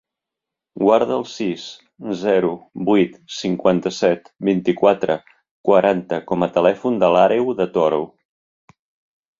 Guarda el sis, zero, vuit, cinquanta-set, vint-i-quatre, quaranta com a telèfon de l'Àreu De Toro.